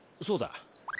そうだ。